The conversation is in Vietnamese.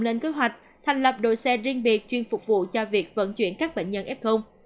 lên kế hoạch thành lập đội xe riêng biệt chuyên phục vụ cho việc vận chuyển các bệnh nhân f